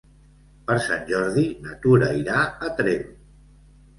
Per Sant Jordi na Tura irà a Tremp.